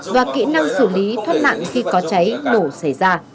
và kỹ năng xử lý thoát nạn khi có cháy nổ xảy ra